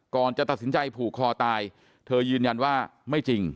ก่อนจะตัดสินใจผูกคอตายเธอยืนยันว่าไม่จริง